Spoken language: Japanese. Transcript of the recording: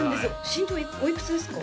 身長おいくつですか？